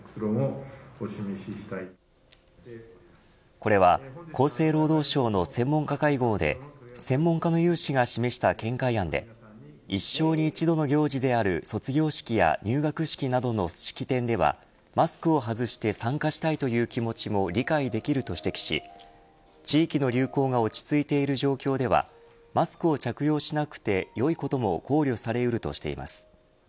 これは厚生労働省の専門家会合で専門家の有志が示した見解案で一生に一度の行事である卒業式や入学式などの式典ではマスクを外して参加したいという気持ちも理解できると指摘し地域の流行が落ち着いている状況ではマスクを着用しなくてよいことも考慮されうるとしています。